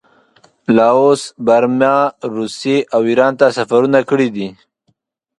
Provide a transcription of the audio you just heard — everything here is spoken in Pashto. لاوس، برما، روسیې او ایران ته سفرونه کړي دي.